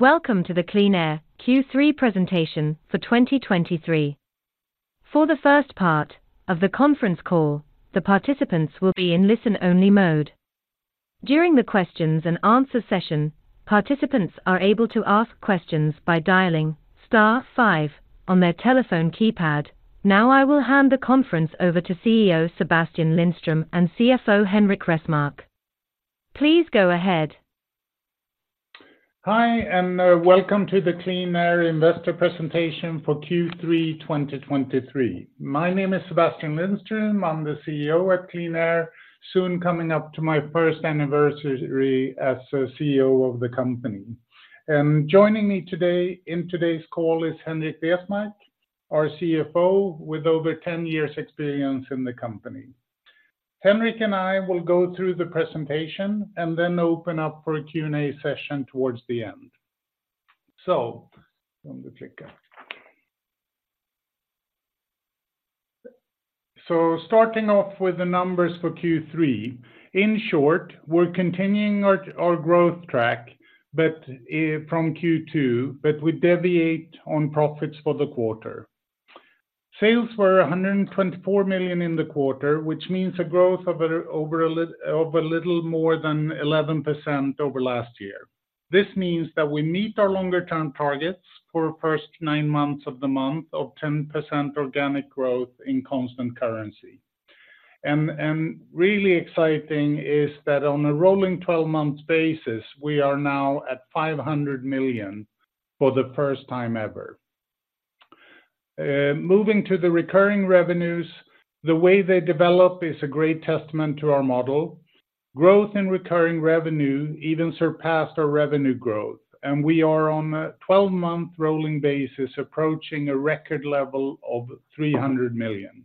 Welcome to the QleanAir Q3 presentation for 2023. For the first part of the conference call, the participants will be in listen-only mode. During the questions and answer session, participants are able to ask questions by dialing star five on their telephone keypad. Now, I will hand the conference over to CEO Sebastian Lindström and CFO Henrik Resmark. Please go ahead. Hi, and welcome to the QleanAir investor presentation for Q3 2023. My name is Sebastian Lindström. I'm the CEO at QleanAir, soon coming up to my first anniversary as the CEO of the company. Joining me today in today's call is Henrik Resmark, our CFO, with over 10 years experience in the company. Henrik and I will go through the presentation and then open up for a Q&A session towards the end. So let me click that. So starting off with the numbers for Q3, in short, we're continuing our growth track, but from Q2, but we deviate on profits for the quarter. Sales were 124 million in the quarter, which means a growth of over a little more than 11% over last year. This means that we meet our longer-term targets for first nine months of the month of 10% organic growth in constant currency. And really exciting is that on a rolling twelve-month basis, we are now at 500 million for the first time ever. Moving to the recurring revenues, the way they develop is a great testament to our model. Growth in recurring revenue even surpassed our revenue growth, and we are on a twelve-month rolling basis, approaching a record level of 300 million.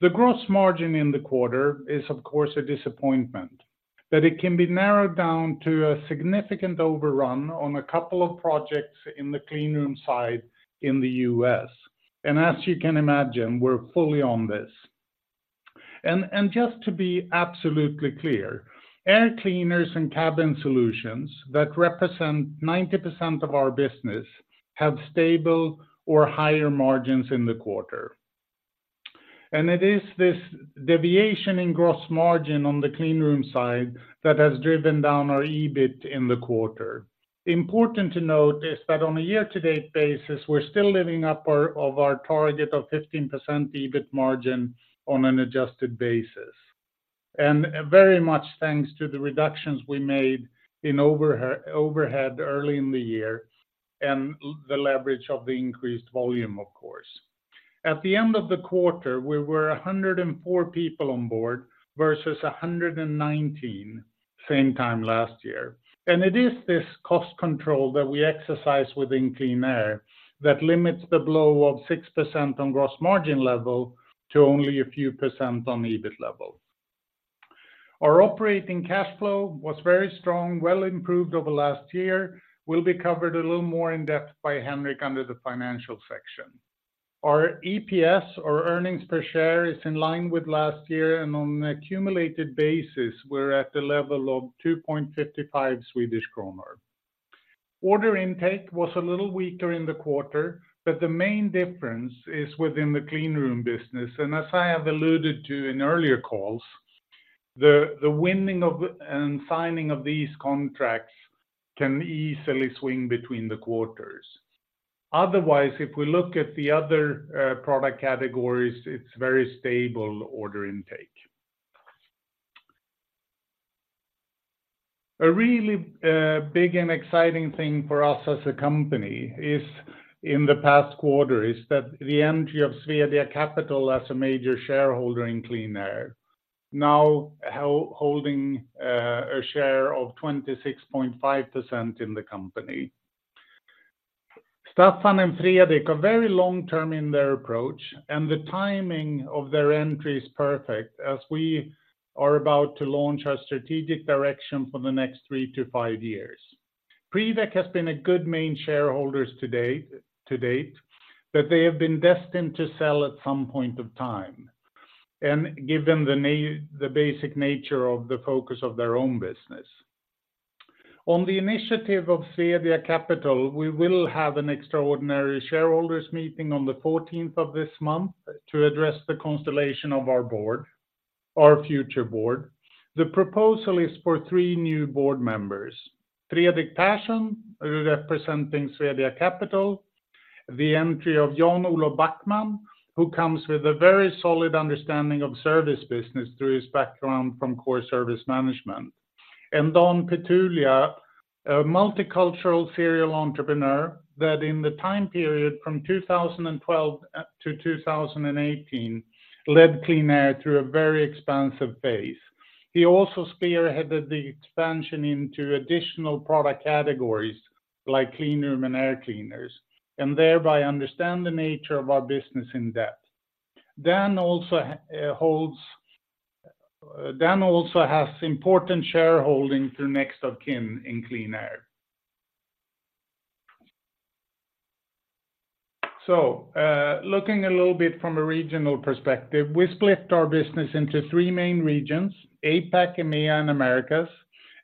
The gross margin in the quarter is, of course, a disappointment, but it can be narrowed down to a significant overrun on a couple of projects in the clean room side in the U.S. And as you can imagine, we're fully on this. Just to be absolutely clear, air cleaners and cabin solutions that represent 90% of our business have stable or higher margins in the quarter. It is this deviation in gross margin on the clean room side that has driven down our EBIT in the quarter. Important to note is that on a year-to-date basis, we're still living up to our target of 15% EBIT margin on an adjusted basis. Very much thanks to the reductions we made in overhead early in the year, and the leverage of the increased volume, of course. At the end of the quarter, we were 104 people on board versus 119, same time last year. It is this cost control that we exercise within QleanAir that limits the blow of 6% on gross margin level to only a few percent on the EBIT level. Our operating cash flow was very strong, well improved over last year. It will be covered a little more in-depth by Henrik under the financial section. Our EPS or earnings per share is in line with last year, and on an accumulated basis, we're at the level of 2.55 Swedish kronor. Order intake was a little weaker in the quarter, but the main difference is within the clean room business, and as I have alluded to in earlier calls, the winning of and signing of these contracts can easily swing between the quarters. Otherwise, if we look at the other product categories, it's very stable order intake. A really big and exciting thing for us as a company is, in the past quarter, is that the entry of Swedia Capital as a major shareholder in QleanAir, now holding a share of 26.5% in the company. Staffan and Fredrik are very long-term in their approach, and the timing of their entry is perfect as we are about to launch our strategic direction for the next three-five years. Priveq has been a good main shareholder to date, but they have been destined to sell at some point of time, and given the basic nature of the focus of their own business. On the initiative of Swedia Capital, we will have an extraordinary shareholders meeting on the fourteenth of this month to address the constellation of our board, our future board. The proposal is for three new board members: Fredrik Persson, representing Swedia Capital; the entry of Jan-Olof Backman, who comes with a very solid understanding of service business through his background from Coor Service Management; and Dan Pitulia, a multicultural serial entrepreneur, that in the time period from 2012 to 2018, led QleanAir through a very expansive phase. He also spearheaded the expansion into additional product categories like clean room and air cleaners, and thereby understand the nature of our business in depth. Dan also has important shareholding through next of kin in QleanAir. So, looking a little bit from a regional perspective, we split our business into three main regions, APAC, EMEA, and Americas,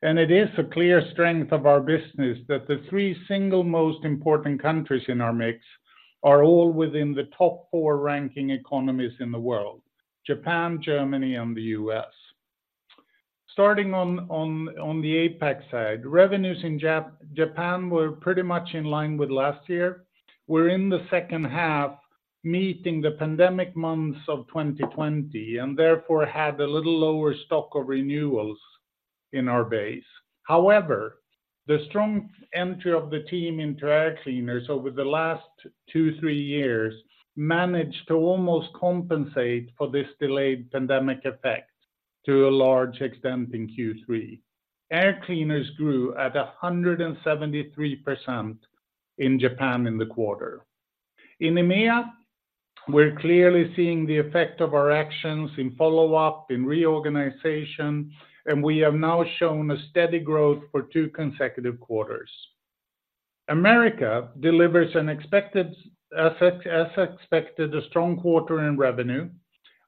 and it is a clear strength of our business that the three single most important countries in our mix are all within the top four ranking economies in the world, Japan, Germany, and the U.S.. Starting on the APAC side, revenues in Japan were pretty much in line with last year. We're in the second half, meeting the pandemic months of 2020, and therefore, had a little lower stock of renewals in our base. However, the strong entry of the team into air cleaners over the last two-three years managed to almost compensate for this delayed pandemic effect to a large extent in Q3. Air cleaners grew at 173% in Japan in the quarter. In EMEA, we're clearly seeing the effect of our actions in follow-up, in reorganization, and we have now shown a steady growth for two consecutive quarters. Americas delivers, as expected, a strong quarter in revenue.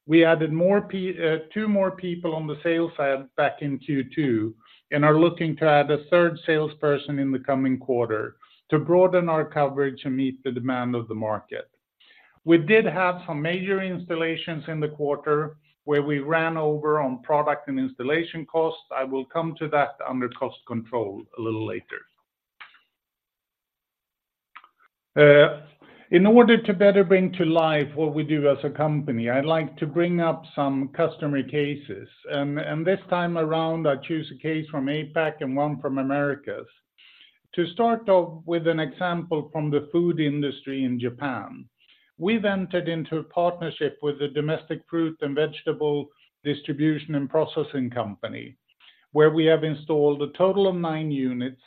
We added two more people on the sales side back in Q2, and are looking to add a third salesperson in the coming quarter to broaden our coverage and meet the demand of the market. We did have some major installations in the quarter, where we ran over on product and installation costs. I will come to that under cost control a little later. In order to better bring to life what we do as a company, I'd like to bring up some customer cases, and this time around, I choose a case from APAC and one from Americas. To start off with an example from the food industry in Japan, we've entered into a partnership with the domestic fruit and vegetable distribution and processing company, where we have installed a total of nine units,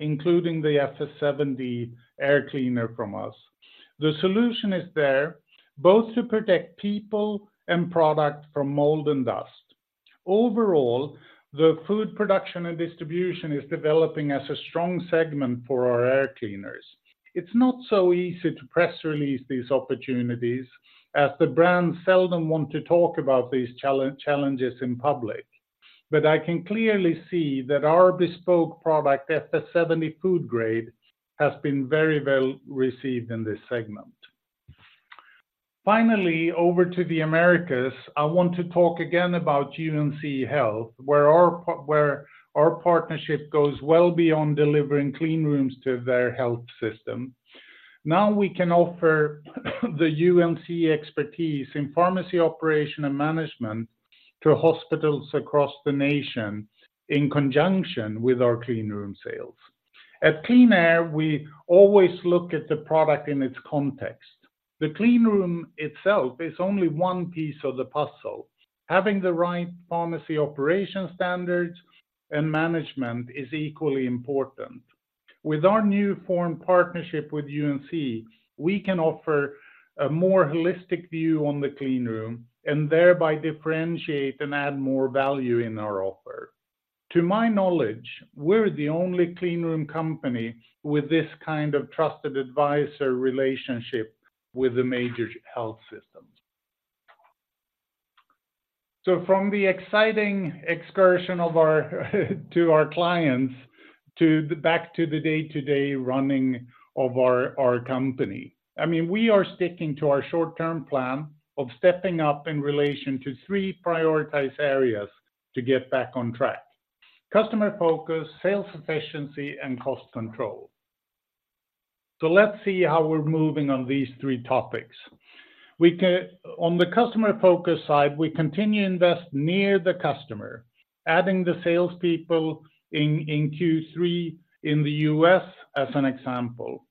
including the FS 70 air cleaner from us. The solution is there, both to protect people and product from mold and dust. Overall, the food production and distribution is developing as a strong segment for our air cleaners. It's not so easy to press release these opportunities, as the brands seldom want to talk about these challenges in public, but I can clearly see that our bespoke product, FS 70 Food Grade, has been very well received in this segment. Finally, over to the Americas, I want to talk again about UNC Health, where our partnership goes well beyond delivering clean rooms to their health system. Now, we can offer the UNC expertise in pharmacy operation and management to hospitals across the nation in conjunction with our clean room sales. At QleanAir, we always look at the product in its context. The clean room itself is only one piece of the puzzle. Having the right pharmacy operation standards and management is equally important. With our new formed partnership with UNC, we can offer a more holistic view on the clean room, and thereby differentiate and add more value in our offer. To my knowledge, we're the only clean room company with this kind of trusted advisor relationship with the major health systems. So from the exciting excursion to our clients, back to the day-to-day running of our company, I mean, we are sticking to our short-term plan of stepping up in relation to three prioritized areas to get back on track: customer focus, sales efficiency, and cost control. So let's see how we're moving on these three topics. On the customer focus side, we continue to invest near the customer, adding the salespeople in Q3 in the U.S., as an example.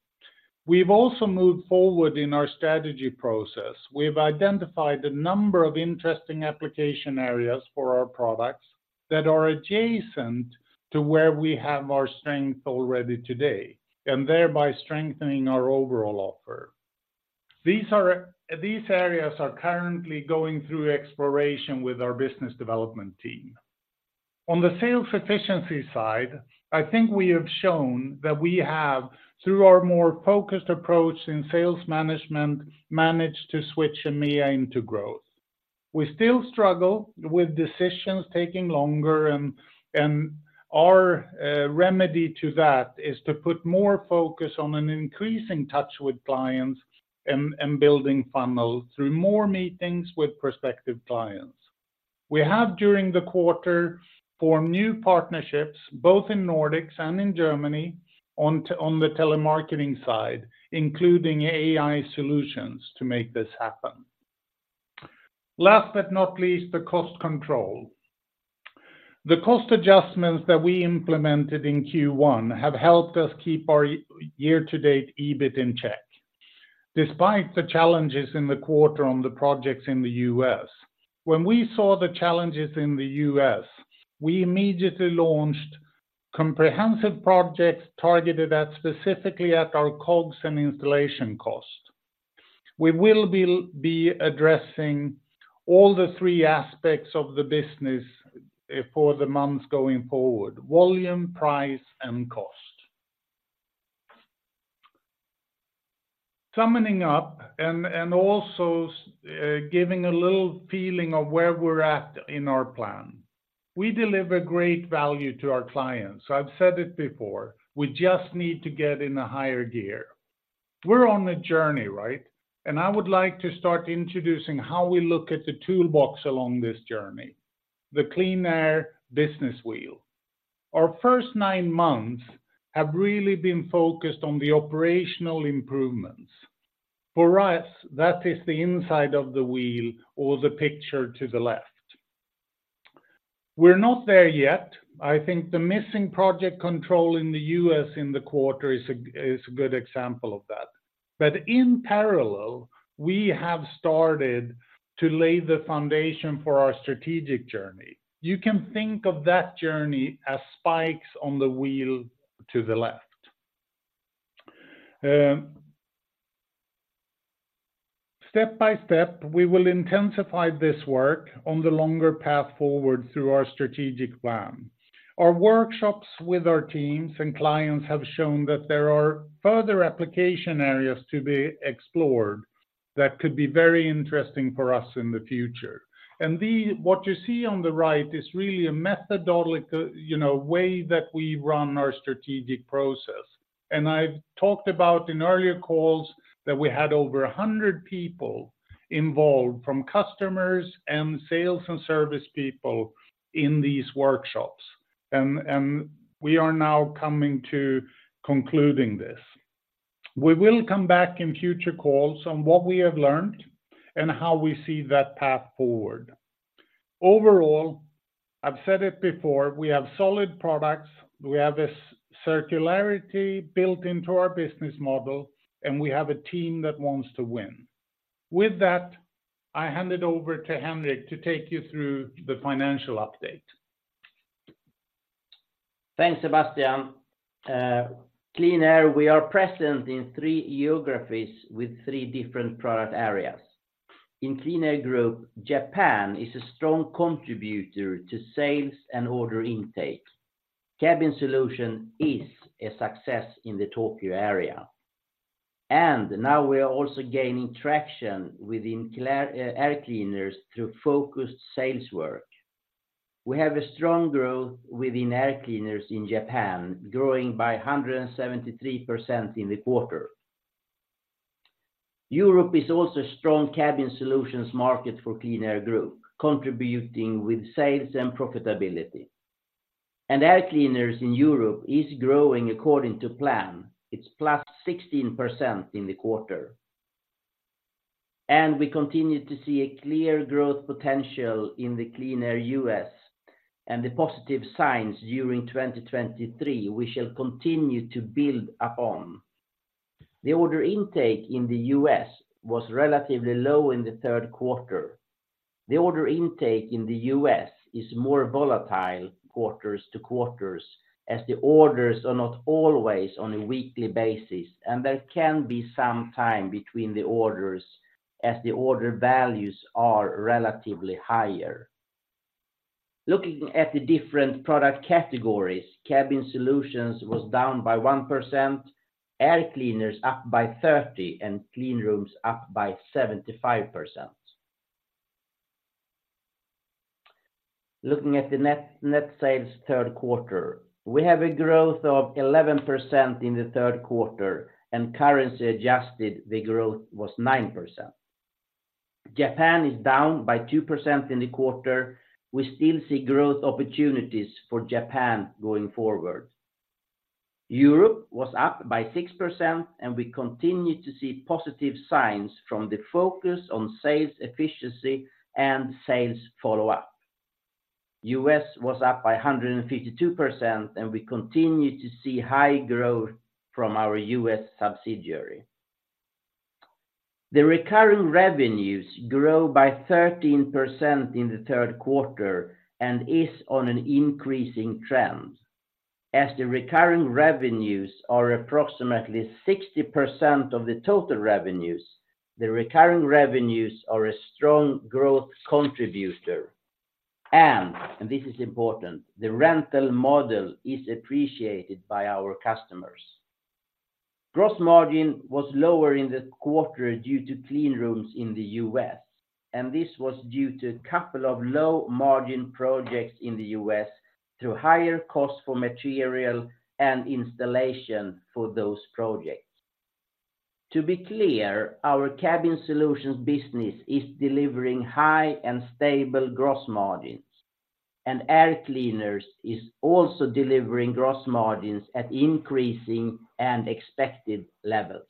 We've also moved forward in our strategy process. We've identified a number of interesting application areas for our products that are adjacent to where we have our strength already today, and thereby strengthening our overall offer. These areas are currently going through exploration with our business development team. On the sales efficiency side, I think we have shown that we have, through our more focused approach in sales management, managed to switch EMEA into growth. We still struggle with decisions taking longer, and our remedy to that is to put more focus on an increasing touch with clients and building funnels through more meetings with prospective clients. We have, during the quarter, formed new partnerships, both in Nordics and in Germany, on the telemarketing side, including AI solutions, to make this happen. Last but not least, the cost control. The cost adjustments that we implemented in Q1 have helped us keep our year-to-date EBIT in check, despite the challenges in the quarter on the projects in the US. When we saw the challenges in the U.S., we immediately launched comprehensive projects targeted at specifically at our COGS and installation costs.... We will be addressing all the three aspects of the business for the months going forward: volume, price, and cost. Summing up and also giving a little feeling of where we're at in our plan, we deliver great value to our clients. I've said it before, we just need to get in a higher gear. We're on a journey, right? And I would like to start introducing how we look at the toolbox along this journey, the QleanAir business wheel. Our first nine months have really been focused on the operational improvements. For us, that is the inside of the wheel or the picture to the left. We're not there yet. I think the missing project control in the U.S. in the quarter is a good example of that. But in parallel, we have started to lay the foundation for our strategic journey. You can think of that journey as spikes on the wheel to the left. Step by step, we will intensify this work on the longer path forward through our strategic plan. Our workshops with our teams and clients have shown that there are further application areas to be explored that could be very interesting for us in the future. And what you see on the right is really a methodological, you know, way that we run our strategic process. And I've talked about in earlier calls that we had over a hundred people involved, from customers and sales and service people, in these workshops, and we are now coming to concluding this. We will come back in future calls on what we have learned and how we see that path forward. Overall, I've said it before, we have solid products, we have a circularity built into our business model, and we have a team that wants to win. With that, I hand it over to Henrik to take you through the financial update. Thanks, Sebastian. QleanAir, we are present in three geographies with three different product areas. In QleanAir, Japan is a strong contributor to sales and order intake. Cabin solution is a success in the Tokyo area, and now we are also gaining traction within clean air cleaners through focused sales work. We have a strong growth within air cleaners in Japan, growing by 173% in the quarter. Europe is also a strong cabin solutions market for QleanAir, contributing with sales and profitability. Air cleaners in Europe is growing according to plan. It's +16% in the quarter. We continue to see a clear growth potential in the QleanAir U.S., and the positive signs during 2023, we shall continue to build upon. The order intake in the U.S. was relatively low in the third quarter. The order intake in the U.S. is more volatile quarters to quarters, as the orders are not always on a weekly basis, and there can be some time between the orders as the order values are relatively higher. Looking at the different product categories, Cabin solutions was down by 1%, air cleaners up by 30%, and Clean rooms up by 75%. Looking at the net, net sales third quarter, we have a growth of 11% in the third quarter, and currency adjusted, the growth was 9%. Japan is down by 2% in the quarter. We still see growth opportunities for Japan going forward. Europe was up by 6%, and we continue to see positive signs from the focus on sales efficiency and sales follow-up. U.S. was up by 152%, and we continue to see high growth from our U.S. subsidiary. The recurring revenues grow by 13% in the third quarter and is on an increasing trend. As the recurring revenues are approximately 60% of the total revenues, the recurring revenues are a strong growth contributor. And this is important, the rental model is appreciated by our customers. Gross margin was lower in the quarter due to clean rooms in the U.S., and this was due to a couple of low-margin projects in the U.S. through higher cost for material and installation for those projects. To be clear, our cabin solutions business is delivering high and stable gross margins, and air cleaners is also delivering gross margins at increasing and expected levels.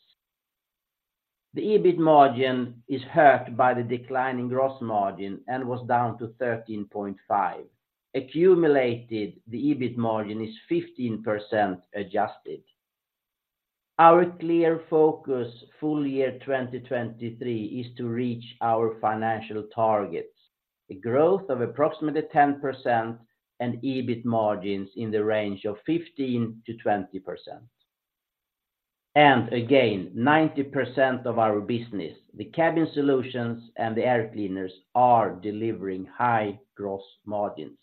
The EBIT margin is hurt by the decline in gross margin and was down to 13.5%. Accumulated, the EBIT margin is 15% adjusted. Our clear focus full year 2023 is to reach our financial targets. A growth of approximately 10% and EBIT margins in the range of 15%-20%. Again, 90% of our business, the cabin solutions and the air cleaners, are delivering high gross margins.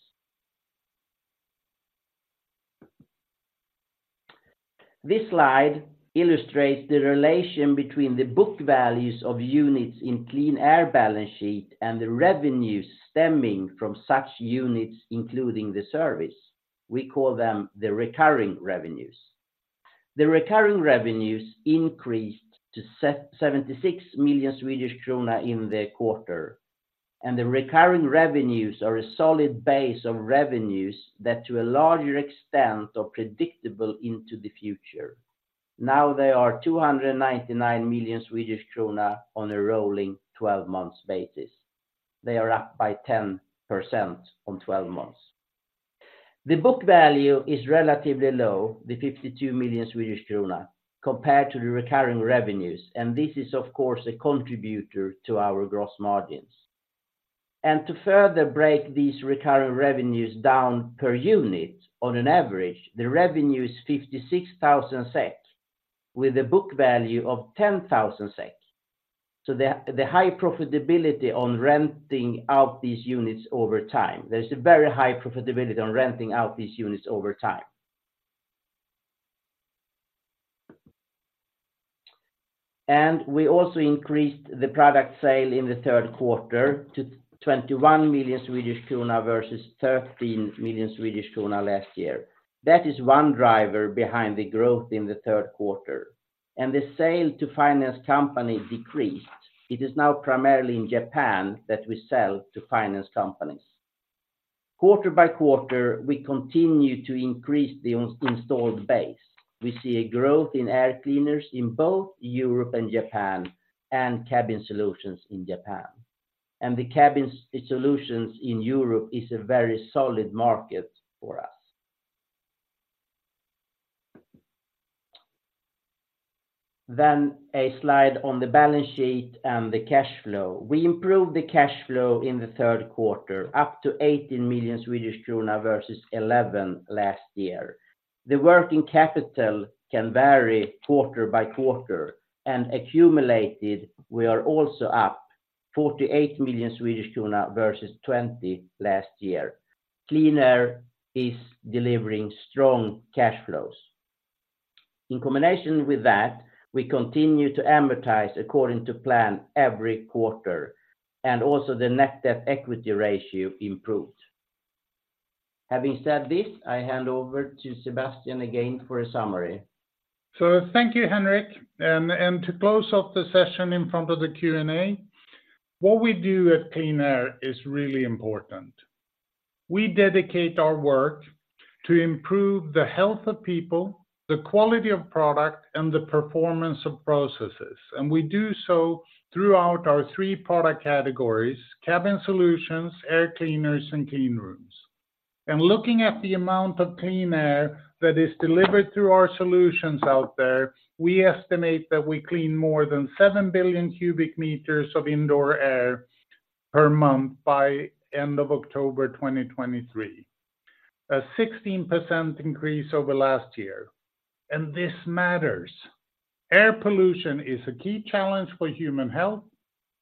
This slide illustrates the relation between the book values of units in QleanAir balance sheet and the revenues stemming from such units, including the service. We call them the recurring revenues. The recurring revenues increased to 76 million Swedish krona in the quarter, and the recurring revenues are a solid base of revenues that, to a larger extent, are predictable into the future. Now they are 299 million Swedish krona on a rolling twelve months basis. They are up by 10% on twelve months. The book value is relatively low, 52 million Swedish krona, compared to the recurring revenues, and this is, of course, a contributor to our gross margins. To further break these recurring revenues down per unit, on an average, the revenue is 56,000 SEK, with a book value of 10,000 SEK. The high profitability on renting out these units over time, there is a very high profitability on renting out these units over time. We also increased the product sale in the third quarter to 21 million Swedish krona versus 13 million Swedish krona last year. That is one driver behind the growth in the third quarter, and the sale to finance company decreased. It is now primarily in Japan that we sell to finance companies. Quarter by quarter, we continue to increase the installed base. We see a growth in air cleaners in both Europe and Japan, and cabin solutions in Japan. The cabin solutions in Europe is a very solid market for us. A slide on the balance sheet and the cash flow. We improved the cash flow in the third quarter, up to 18 million Swedish krona versus 11 million last year. The working capital can vary quarter by quarter, and accumulated, we are also up 48 million versus 20 million last year. QleanAir is delivering strong cash flows. In combination with that, we continue to amortize according to plan every quarter, and also the net debt equity ratio improved. Having said this, I hand over to Sebastian again for a summary. So thank you, Henrik. And to close off the session in front of the Q&A, what we do at QleanAir is really important. We dedicate our work to improve the health of people, the quality of product, and the performance of processes, and we do so throughout our three product categories: cabin solutions, air cleaners, and clean rooms. And looking at the amount of clean air that is delivered through our solutions out there, we estimate that we clean more than seven billion cubic meters of indoor air per month by end of October 2023, a 16% increase over last year, and this matters. Air pollution is a key challenge for human health.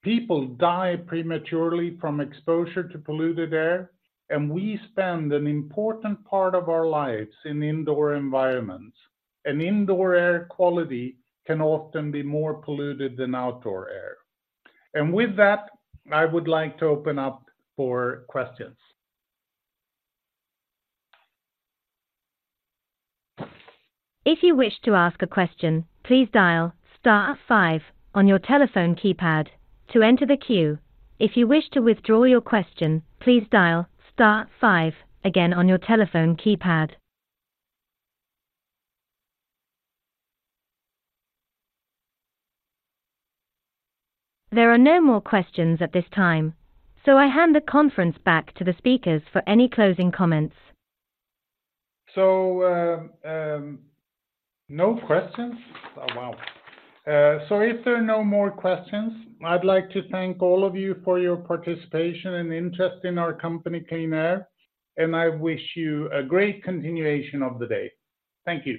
People die prematurely from exposure to polluted air, and we spend an important part of our lives in indoor environments. And indoor air quality can often be more polluted than outdoor air. With that, I would like to open up for questions. If you wish to ask a question, please dial star five on your telephone keypad to enter the queue. If you wish to withdraw your question, please dial star five again on your telephone keypad. There are no more questions at this time, so I hand the conference back to the speakers for any closing comments. No questions? Oh, wow. So if there are no more questions, I'd like to thank all of you for your participation and interest in our company, QleanAir, and I wish you a great continuation of the day. Thank you.